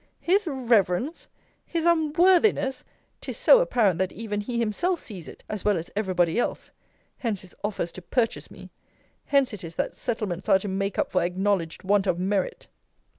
His reverence! his unworthiness! 'Tis so apparent, that even he himself sees it, as well as every body else. Hence his offers to purchase me! Hence it is, that settlements are to make up for acknowledged want of merit!